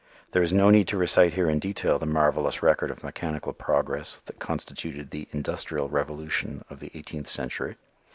There is no need to recite here in detail the marvelous record of mechanical progress that constituted the "industrial revolution" of the eighteenth century.